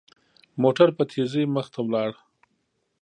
موټر په تېزۍ مخ ته لاړ.